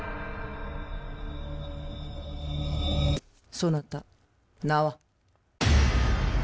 そなた名は？